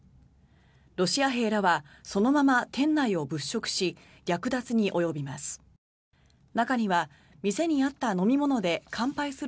ロシア兵らはそのまま店内を物色し略奪に及びます。